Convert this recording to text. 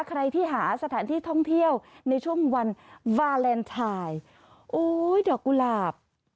ใครที่หาสถานที่ท่องเที่ยวในช่วงวันบาเลนไทยโอ้ยดอกกุหลาบ